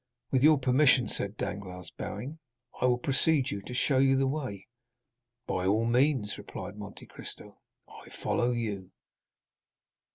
"With your permission," said Danglars, bowing, "I will precede you, to show you the way." "By all means," replied Monte Cristo; "I follow you."